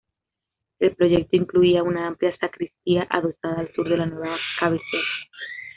El proyecto incluía una amplia sacristía adosada al sur de la nueva cabecera.